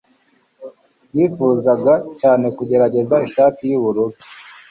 Yifuzaga cyane kugerageza ishati yubururu.